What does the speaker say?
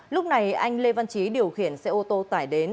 lúc này anh lê văn trí điều khiển xe ô tô tải đến